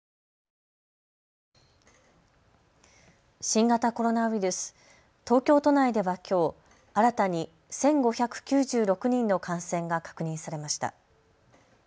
新型コロナウイルス東京都内ではきょう、新たに１５９６人の感染が確認されました。